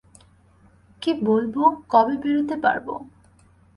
কী বলল, কবে বেরোতে পারবো?